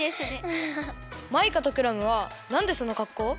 マイカとクラムはなんでそのかっこう？